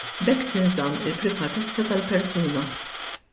B'hekk tinżamm il-privatezza tal-persuna.